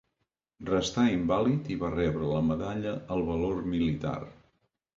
Restà invàlid i va rebre la medalla al valor militar.